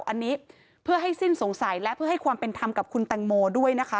อันนี้เพื่อให้สิ้นสงสัยและเพื่อให้ความเป็นธรรมกับคุณแตงโมด้วยนะคะ